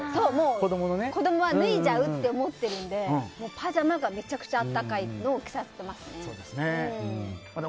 子供は脱いじゃうって思ってるんで、パジャマがめちゃくちゃ暖かいのを着させてますね。